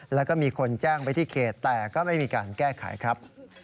แล้วก็มีคนแจ้งไปที่เขตแต่ก็ไม่มีการแก้ไขครับ